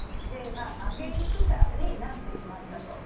負け戦になってしまったと。